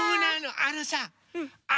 あのさあ